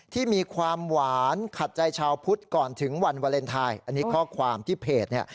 ที่มีความหวานขัดใจชาวพุทธก่อนถึงวันวาเลนไทยอันนี้ข้อความที่เพจเนี่ย